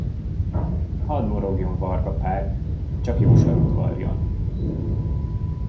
Hadd morogjon Varga Pál, csak jó sarut varrjon.